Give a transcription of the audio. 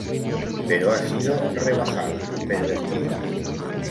Pero ha sido rebajada, pervertida.